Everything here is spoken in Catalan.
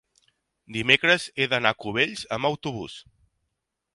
dimecres he d'anar a Cubells amb autobús.